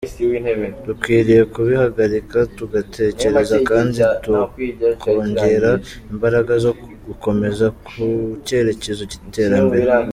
Dukwiriye kubihagarika, tugatekereza kandi tukongera imbaraga zo gukomeza ku cyerekezo cy’iterambere.